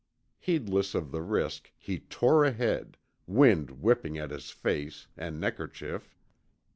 Heedless of the risk, he tore ahead, wind whipping at his face, and neckerchief.